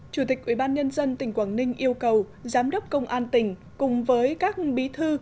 chủ tịch ubnd tỉnh quảng ninh yêu cầu giám đốc công an tỉnh cùng với các bí thư